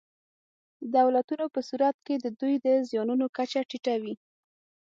د دولتونو په صورت کې د دوی د زیانونو کچه ټیټه وي.